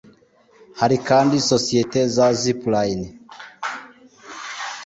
Hari kandi sosiyete ya Zipline